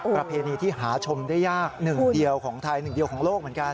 ประเพณีที่หาชมได้ยากหนึ่งเดียวของไทยหนึ่งเดียวของโลกเหมือนกัน